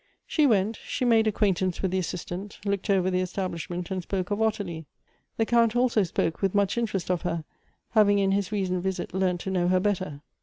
She went ; she made acquaintance with the Assistant ; looked over the establishment, and spoke of Ottilie. Th e Count also spoke with much interest of her, having in his recent visit learnt to know her better.